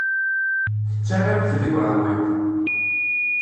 Tettarram-t deg uɛewwiq.